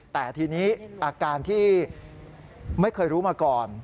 แต่ทีนี้อาการที่ไม่เคยรู้มาก่อน